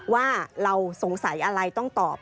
ว่าเราสงสัยอะไรต้องตอบ